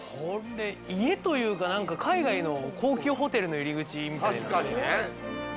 家というか、海外の高級ホテルの入口みたいな。